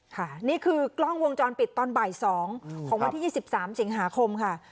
ค่ะนี่คือกล้องวงจรปิดตอนบ่าย๒ของวันที่๒๓สิงหาคมค่ะ